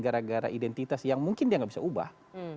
gara gara identitas yang mungkin dia nggak bisa ubah